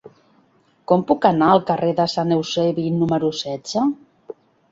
Com puc anar al carrer de Sant Eusebi número setze?